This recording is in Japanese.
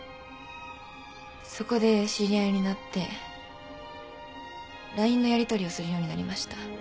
そこで知り合いになってＬＩＮＥのやりとりをするようになりました。